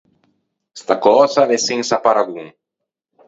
Sta cösa a l’é sensa paragon.